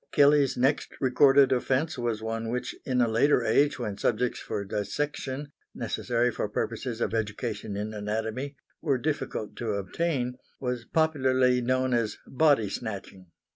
Kelley's next recorded offence was one which in a later age when subjects for dissection (necessary for purposes of education in anatomy) were difficult to obtain, was popularly known as "body snatching."